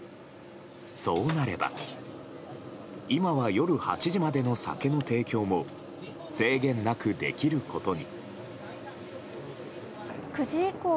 そうなれば今は夜８時までの酒の提供も制限なくできることに。